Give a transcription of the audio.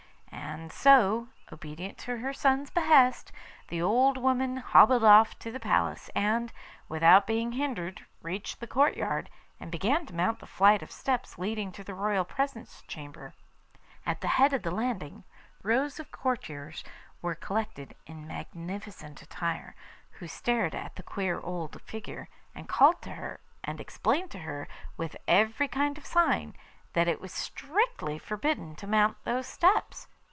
And so, obedient to her son's behest, the old woman hobbled off to the palace, and, without being hindered, reached the courtyard, and began to mount the flight of steps leading to the royal presence chamber. At the head of the landing rows of courtiers were collected in magnificent attire, who stared at the queer old figure, and called to her, and explained to her, with every kind of sign, that it was strictly forbidden to mount those steps.